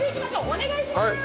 お願いします。